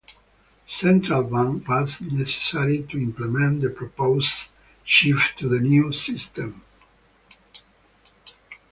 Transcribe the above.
A central bank was necessary to implement the proposed shift to the new system.